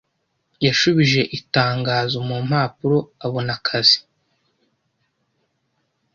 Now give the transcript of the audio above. Yashubije itangazo mu mpapuro abona akazi.